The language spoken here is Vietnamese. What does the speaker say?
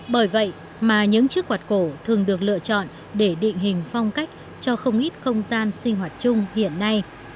bởi vậy mà những chiếc quạt cổ thường được lựa chọn để định hình phong cách cho không ít không gian sinh hoạt chung hiện nay